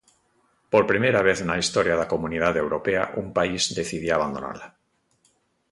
Por primeira vez na historia da comunidade europea un país decidía abandonala.